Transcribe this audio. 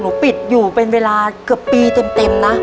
ปิดอยู่เป็นเวลาเกือบปีเต็มนะ